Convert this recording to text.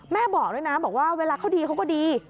บอกด้วยนะบอกว่าเวลาเขาดีเขาก็ดี